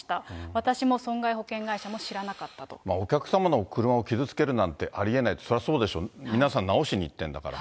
私も損害保険会社も知らなかったお客様の車を傷つけるなんてありえないって、そりゃそうでしょう、皆さん、直しに行ってるんだから。